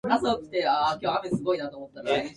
彼は猫中の大王とも云うべきほどの偉大なる体格を有している